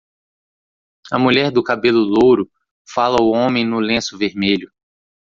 A mulher do cabelo louro fala ao homem no lenço vermelho.